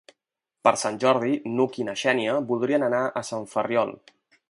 Per Sant Jordi n'Hug i na Xènia voldrien anar a Sant Ferriol.